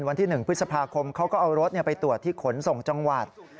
วันที่๑พฤษภาคมเขาก็เอารถไปตรวจที่ขนส่งจังหวัด